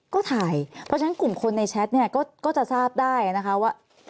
ก็ถ่ายเพราะฉะนั้นกลุ่มคนในแชทเนี่ยก็จะทราบได้นะคะว่า